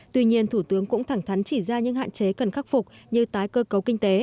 tuy nhiên thủ tướng cũng thẳng thắn chỉ ra những hạn chế cần khắc phục như tái cơ cấu kinh tế